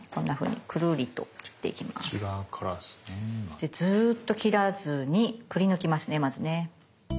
でずっと切らずにくりぬきますねまずね。